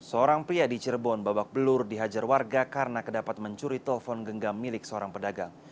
seorang pria di cirebon babak belur dihajar warga karena kedapat mencuri telepon genggam milik seorang pedagang